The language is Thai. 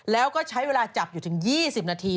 แล้วก็ใช้เวลาจับอยู่ถึง๒๐นาที